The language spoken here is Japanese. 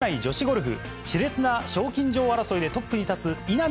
国内女子ゴルフ、しれつな賞金女王争いでトップに立つ稲見